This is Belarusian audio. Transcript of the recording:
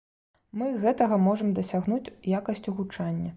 Мы гэтага можам дасягнуць якасцю гучання.